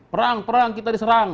perang perang kita diserang